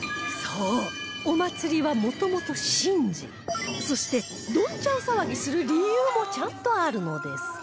そうお祭りはもともと神事そしてどんちゃん騒ぎする理由もちゃんとあるのです